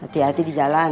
hati hati di jalan